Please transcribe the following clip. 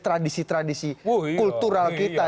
tradisi tradisi kultural kita